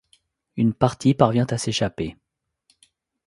Une partie parvient à s'échapper.